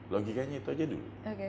logikanya itu saja dulu